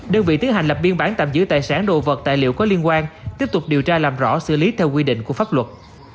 đơn vị tiến hành lập biên bản tạm giữ tài sản đồ vật tài liệu có liên quan tiếp tục điều tra làm rõ xử lý theo quy định của pháp luật